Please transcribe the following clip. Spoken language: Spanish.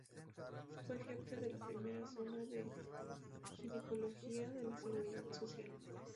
Fue jefe de la primera zona de Ginecología de la Seguridad Social.